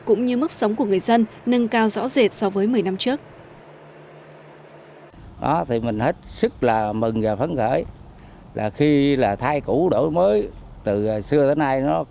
cũng như mức sống của người dân nâng cao rõ rệt so với một mươi năm trước